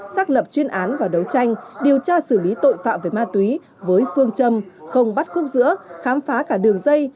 xác lập chuyên án và đấu tranh điều tra xử lý tội phạm về ma túy với phương châm không bắt khúc giữa khám phá cả đường dây